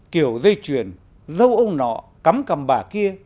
kiểu dây chuyền dâu ông nọ cắm cầm bà kia